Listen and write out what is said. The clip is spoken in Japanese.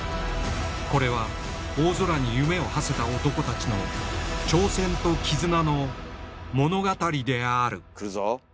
これは大空に夢をはせた男たちの挑戦と絆の物語であるくるぞ。